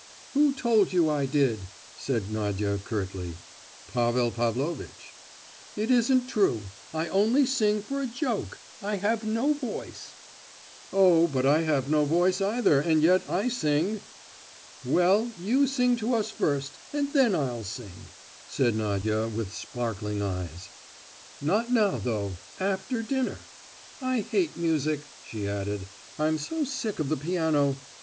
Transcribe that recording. "Who told you I did?" said Nadia curtly. "Pavel Pavlovitch." "It isn't true; I only sing for a joke—I have no voice." "Oh, but I have no voice either, and yet I sing!" "Well, you sing to us first, and then I'll sing," said Nadia, with sparkling eyes; "not now though—after dinner. I hate music," she added, "I'm so sick of the piano.